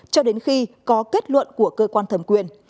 cho đến khi có kết luận của cơ quan thẩm quyền